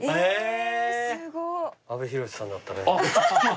阿部寛さんだったね。